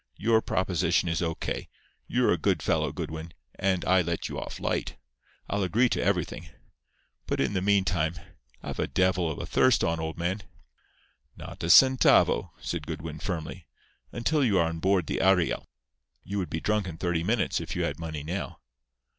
Your proposition is O. K. You're a good fellow, Goodwin; and I let you off light. I'll agree to everything. But in the meantime—I've a devil of a thirst on, old man—" "Not a centavo," said Goodwin, firmly, "until you are on board the Ariel. You would be drunk in thirty minutes if you had money now."